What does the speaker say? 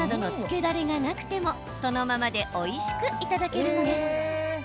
だれがなくてもそのままでおいしくいただけるんです。